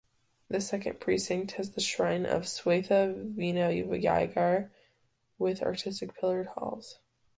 The second precinct has the shrine of Swetha Vinayagar with artistic pillared halls.